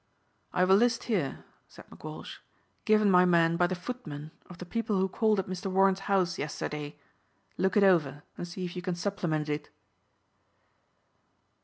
"I've a list here," said McWalsh, "given my men by the footman of the people who called at Mr. Warren's house yesterday. Look it over and see if you can supplement it."